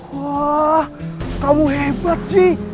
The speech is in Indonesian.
wah kamu hebat ji